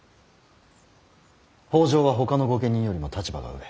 北条はほかの御家人よりも立場が上。